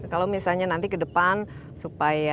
kalau misalnya nanti ke depan supaya